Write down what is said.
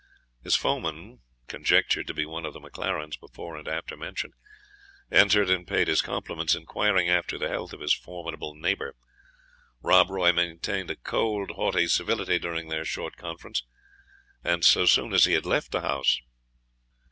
His foeman, conjectured to be one of the MacLarens before and after mentioned, entered and paid his compliments, inquiring after the health of his formidable neighbour. Rob Roy maintained a cold haughty civility during their short conference, and so soon as he had left the house.